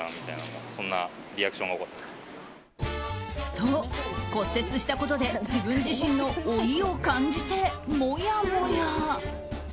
と、骨折したことで自分自身の老いを感じてもやもや。